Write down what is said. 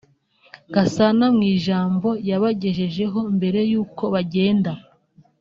Gasana mu ijambo yabagejejeho mbere y’uko bagenda